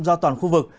ra toàn khu vực